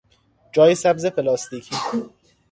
جای سبزی پلاستیکی